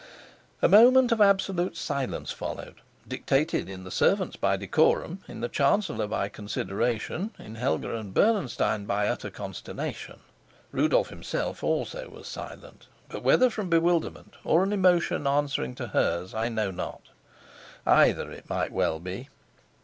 A moment of absolute silence followed, dictated in the servants by decorum, in the chancellor by consideration, in Helga and Bernenstein by utter consternation. Rudolf himself also was silent, but whether from bewilderment or an emotion answering to hers, I know not. Either it might well be.